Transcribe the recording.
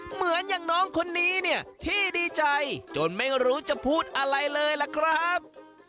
เหมือนอย่างน้องคนนี้เนี่ยที่ดีใจจนไม่รู้จะพูดอะไรเลยล่ะครับ